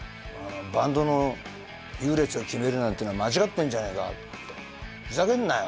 「バンドの優劣を決めるなんてのは間違ってんじゃねえか」って「ふざけんなよ」